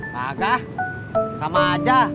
pakah sama aja